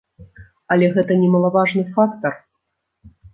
Але гэта немалаважны фактар.